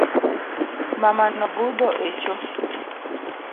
Mamano budho echo